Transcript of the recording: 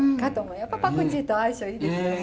やっぱパクチーと相性いいですよね。